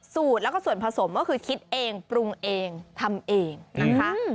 สูตรแล้วก็ส่วนผสมก็คือคิดเองปรุงเองทำเองนะคะ